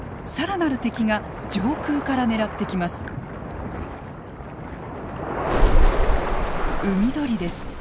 更なる敵が上空から狙ってきます。